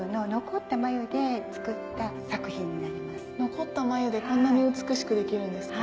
残った繭でこんなに美しくできるんですか？